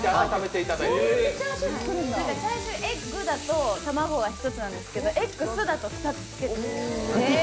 エッグだと卵が１つなんですけど、エッグスだと２つつけてくれるんです。